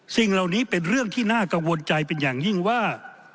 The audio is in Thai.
สิ่งเหล่านี้เป็นเรื่องที่น่ากังวลใจเป็นอย่างยิ่งว่า